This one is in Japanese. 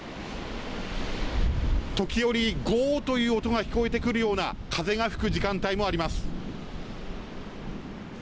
時折ゴーという音が聞こえてくるような風が吹く時間帯もあります。